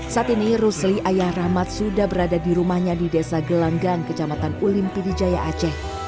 saat ini rusli ayah rahmat sudah berada di rumahnya di desa gelanggang kecamatan ulim pidijaya aceh